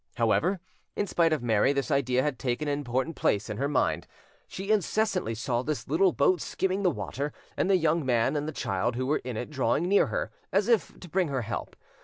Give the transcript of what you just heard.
However, in spite of Mary, this idea had taken an important place in her mind: she incessantly saw this little boat skimming the water, and the young man and the child who were in it drawing near her, as if to bring her help.